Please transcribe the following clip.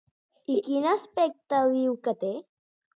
I quin aspecte diu que té?